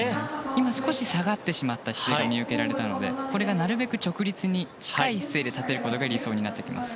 今、少し下がった姿勢が見受けられましたのでこれがなるべく直立に近い姿勢で立てることが理想になります。